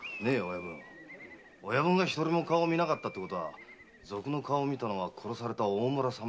親分が一人も顔を見なかったってことは賊の顔を見たのは殺された大村様だけだったってことで？